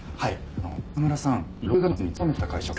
はい！